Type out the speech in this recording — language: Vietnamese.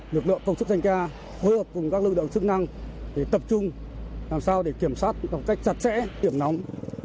lực lượng công chức danh ca hối hợp cùng các lưu động sức năng để tập trung làm sao để kiểm soát trong cách chặt chẽ kiểm nóng